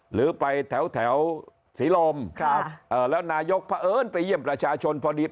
หรือไปแถวแถวศรีโรมครับเอ่อแล้วนายกพระเอิญไปเยี่ยมประชาชนพอดี